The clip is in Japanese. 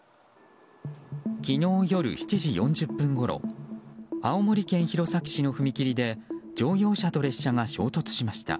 昨日夜７時４０分ごろ青森県弘前市の踏切で乗用車と列車が衝突しました。